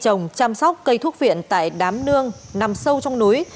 trồng chăm sóc cây thuốc viện tại đám nương nằm sâu trong núi